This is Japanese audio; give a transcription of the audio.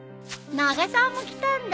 永沢も来たんだ。